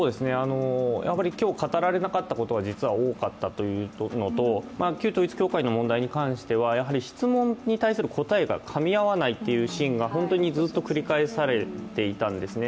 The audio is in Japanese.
やっぱり今日語られなかったことは実は多かったというのと旧統一教会の問題に関しては質問に対する答えがかみ合わないというシーンが本当にずっと繰り返されていたんですね。